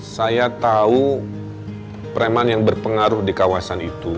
saya tahu preman yang berpengaruh di kawasan itu